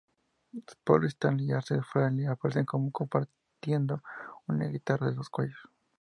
Paul Stanley y Ace Frehley aparecen compartiendo una guitarra de dos cuellos.